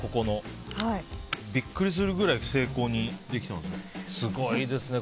ビックリするくらい精巧にできてますね。